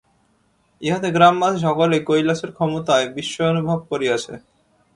ইহাতে গ্রামবাসী সকলেই কৈলাসের ক্ষমতায় বিস্ময় অনুভব করিয়াছে।